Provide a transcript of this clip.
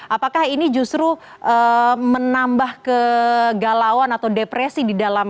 apakah ini justru menambah kegalauan atau depresi